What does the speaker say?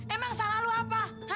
emang salah lo apa